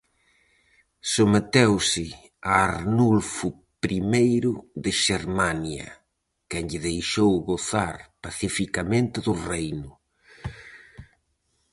Someteuse a Arnulfo Primeiro de Xermania, quen lle deixou gozar pacificamente do reino.